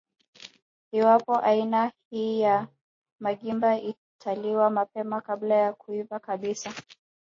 Iwapo aina hii ya magimbi italiwa mapema kabla ya kuiva kabisa